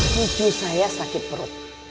kucu saya sakit perut